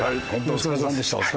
お疲れさんでした。